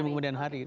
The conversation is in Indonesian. di kemudian hari